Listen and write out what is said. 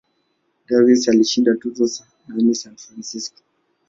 Davis alishinda tuzo nane San Francisco.